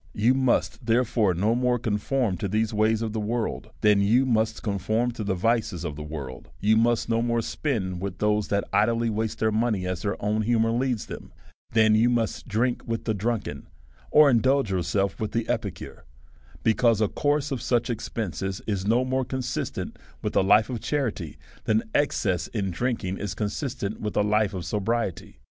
You must therefore no more conform to these ways of the world, than you must conform to the vices of the world ; you must no more spend with those that idly waste their money as their own humour leads them, than you must drink with the drunken, or in dulge yourself with the epicure ; because a course of such expenses is no more consistent with a life of cha rity, than excess in drinking is consistent with a hfeof sobriety.